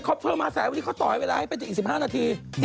เค้าเพิ่มมา๗วันนี้เค้าต่อให้เวลาให้ไปอยู่อีก๑๕นาที